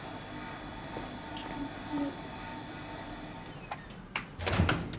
気持ちいい。